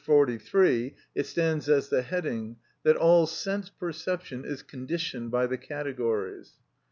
143, it stands as the heading, that all sense perception is conditioned by the categories.